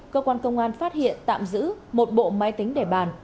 cơ quan công an phát hiện tạm giữ một bộ máy tính để bàn